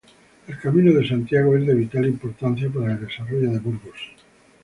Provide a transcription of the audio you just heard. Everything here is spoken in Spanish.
El camino de Santiago es de vital importancia para el desarrollo de Burgos.